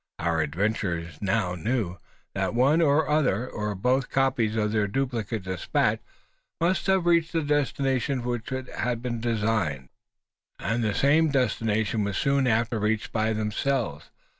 Our adventurers now knew, that, one or other, or both copies of their duplicate despatch, must have reached the destination for which they had designed it. And the same destination was soon after reached by themselves.